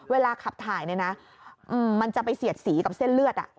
เวลาขับถ่ายเนี่ยนะมันจะไปเสียดสีกับเส้นเลือด